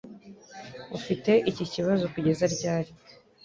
Ufite iki kibazo kugeza ryari?